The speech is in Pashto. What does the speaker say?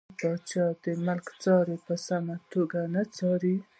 پاچا د ملک چارې په سمه توګه نه څاري .